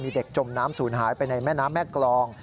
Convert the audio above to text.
มีเด็กจมน้ำศูนย์หายไปในแม่น้ำแม่กรอง